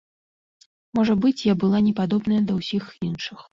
Можа быць, я была непадобная да ўсіх іншых.